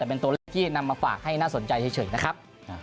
เป็นตัวเลขที่นำมาฝากให้น่าสนใจเฉยนะครับ